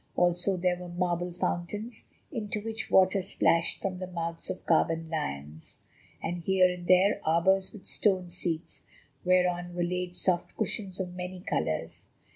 Also there were marble fountains into which water splashed from the mouths of carven lions, and here and there arbours with stone seats, whereon were laid soft cushions of many colours.